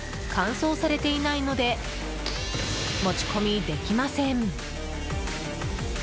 乾燥されていないので持ち込みできません。